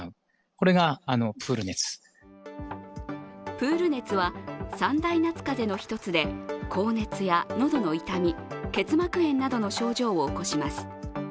プール熱は三大夏風邪の一つで、高熱や喉の痛み、結膜炎などの症状を起こします。